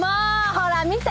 ほら見て！